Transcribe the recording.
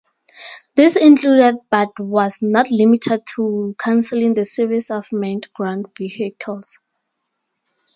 This included, but was not limited to, cancelling the series of Manned Ground Vehicles.